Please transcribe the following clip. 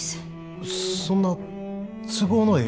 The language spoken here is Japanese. そんな都合のええ